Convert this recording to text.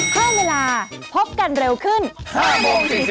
สวัสดีครับ